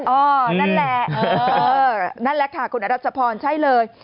นั่นแหละนั่นแหละค่ะคุณอรัชพรใช่เลย